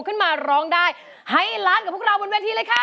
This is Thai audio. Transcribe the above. ขึ้นมาร้องได้ให้ล้านกับพวกเราบนเวทีเลยค่ะ